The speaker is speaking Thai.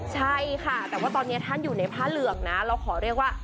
ใช่ค่ะแต่ว่าตอนนี้ท่านอยู่ในผ้าเหลืองนะเราขอเรียกว่า